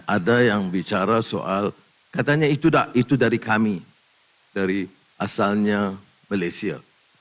ada yang bicara soal katanya itu dari kami dari asalnya malaysia